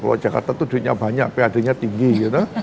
kalau jakarta itu duitnya banyak pad nya tinggi gitu